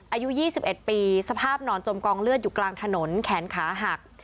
อายุ๒๑ปีสภาพนอนจมกองเลือดอยู่กลางถนนแขนขาหัก